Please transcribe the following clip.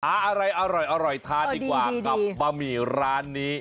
อะไรอร่อยทานดีกว่ากับบะหมี่ร้านนี้